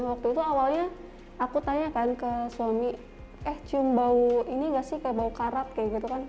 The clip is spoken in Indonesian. waktu itu awalnya aku tanya kan ke suami eh cium bau ini gak sih kayak bau karat kayak gitu kan